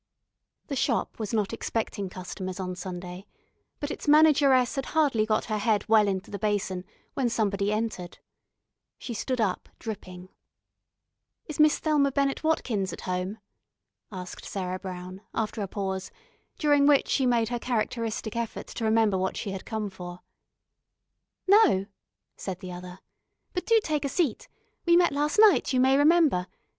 The shop was not expecting customers on Sunday, but its manageress had hardly got her head well into the basin when somebody entered. She stood up dripping. "Is Miss Thelma Bennett Watkins at home?" asked Sarah Brown, after a pause, during which she made her characteristic effort to remember what she had come for. "No," said the other. "But do take a seat. We met last night, you may remember.